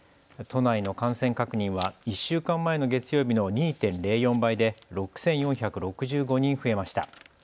都内の感染確認は１週間前の月曜日の２．０４倍で６４６５人増えました。